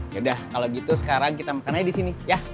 yaudah kalau gitu sekarang kita makan aja disini ya